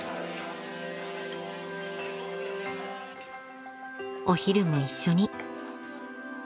［お昼も一緒に］